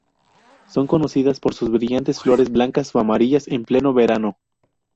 Son conocidas por sus brillantes flores blancas o amarillas en pleno verano.